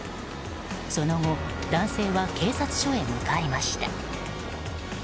その後、男性は警察署へ向かいました。